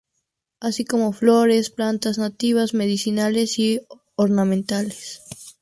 Así como flores, plantas nativas, medicinales y ornamentales.